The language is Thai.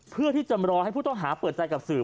เพื่อที่จะรอให้ผู้ต้องหาเปิดใจกับสื่อ